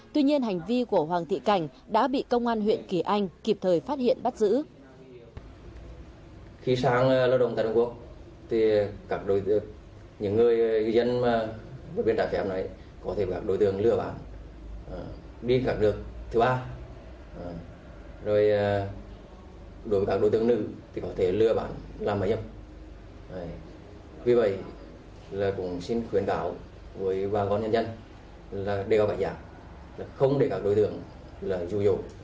tuy nhiên hành vi của hoàng thị cảnh đã bị công an huyện kỳ anh kịp thời phát hiện bắt giữ